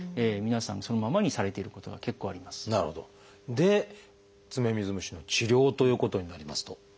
で爪水虫の治療ということになりますと。